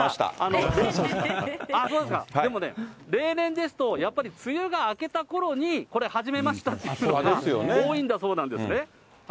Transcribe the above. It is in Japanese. そうですか、でもね、例年ですと、やっぱり梅雨が明けたころに、これ始めましたっていうところが多いんだそうなんですね。